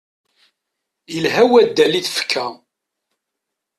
Ilha waddal i tfekka.